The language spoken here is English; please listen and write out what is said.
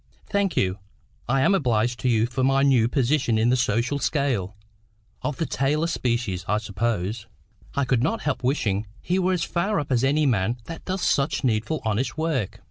"Thank you. I am obliged to you for my new position in the social scale. Of the tailor species, I suppose." I could not help wishing he were as far up as any man that does such needful honest work.